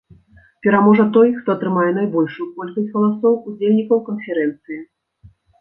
Пераможа той, хто атрымае найбольшую колькасць галасоў удзельнікаў канферэнцыі.